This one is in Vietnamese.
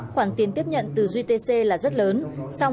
khoản tiền tiếp nhận từ gtc là rất lớn